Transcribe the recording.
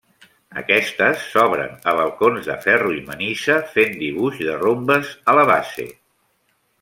Aquestes s'obren a balcons, de ferro i manisa fent dibuix de rombes a la base.